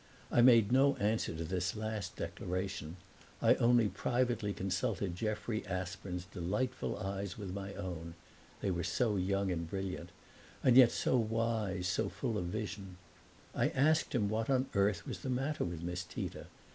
I made no answer to this last declaration; I only privately consulted Jeffrey Aspern's delightful eyes with my own (they were so young and brilliant, and yet so wise, so full of vision); I asked him what on earth was the matter with Miss Tita.